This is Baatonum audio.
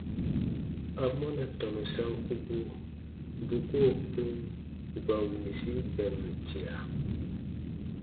Amɔna tɔnu sankubu bu koo kpĩ bù ka winsi bɛrum tia?